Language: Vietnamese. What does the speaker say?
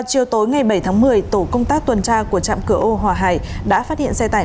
chiều tối ngày bảy tháng một mươi tổ công tác tuần tra của trạm cửa âu hòa hải đã phát hiện xe tải